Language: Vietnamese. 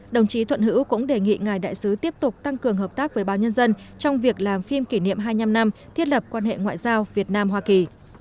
đồng chí thuận hữu cũng đề nghị ngài đại sứ tiếp tục tăng cường hợp tác với báo nhân dân trong việc làm phim kỷ niệm hai mươi năm năm thiết lập quan hệ ngoại giao việt nam hoa kỳ